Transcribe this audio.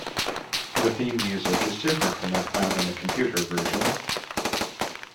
The theme music is different from that found in the computer version.